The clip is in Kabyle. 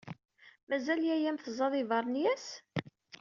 Mazal yaya-m teẓẓaḍ iberniyas?